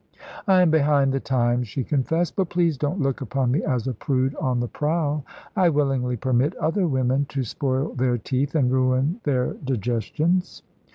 "I am behind the times," she confessed; "but please don't look upon me as a prude on the prowl. I willingly permit other women to spoil their teeth and ruin their digestions."